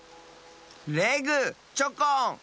レグチョコン！